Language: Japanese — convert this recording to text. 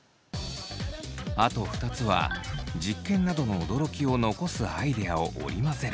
あと２つは実験などの驚きを残すアイデアを織り交ぜる。